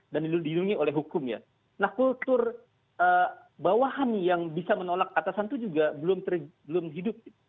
dan dilindungi oleh hukum ya nah kultur bawahan yang bisa menolak kekerasan itu juga belum hidup